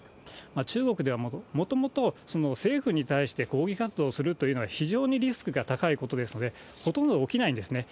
中国では、もともと政府に対して抗議活動をするというのは非常にリスクが高いことですので、ほとんど起きないんですね。